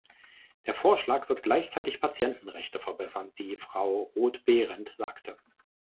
Der Vorschlag wird gleichzeitig Patientenrechte verbessern, wie Frau Roth-Behrendt sagte.